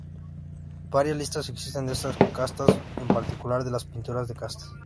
Varias listas existen de estas castas, en particular de las pinturas de castas.